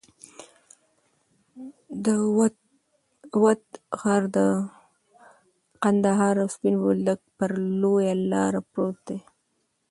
د وط غر د قندهار او سپین بولدک پر لویه لار پروت دی.